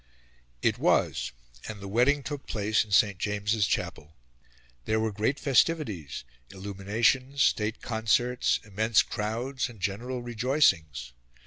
It was, and the wedding took place in St. James's Chapel. There were great festivities illuminations, state concerts, immense crowds, and general rejoicings.